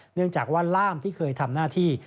เนื่องจากว่าล่ามที่เคยทำหน้าที่